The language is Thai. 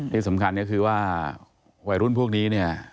ที่สำคัญก็คือว่าวัยรุ่นพวกนี้เนี่ย